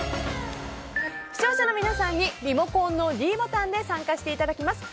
視聴者の皆さんにリモコンのｄボタンで参加していただきます。